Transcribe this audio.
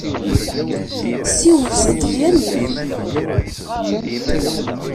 Ssiwel s tṭalyanit!